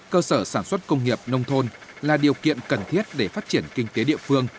cơ sở sản xuất công nghiệp nông thôn là điều kiện cần thiết để phát triển kinh tế địa phương